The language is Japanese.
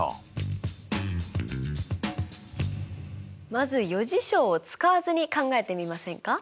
まず余事象を使わずに考えてみませんか？